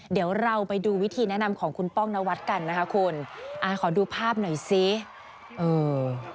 เดี๋ยวเราไปดูวิธีแนะนำของคุณป้องนวัดกันนะคะคุณอ่าขอดูภาพหน่อยสิเออ